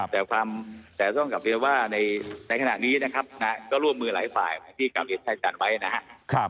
แต่ความแต่ต้องกลับเรียนว่าในขณะนี้นะครับก็ร่วมมือหลายฝ่ายที่กำเรียนชัยจัดไว้นะครับ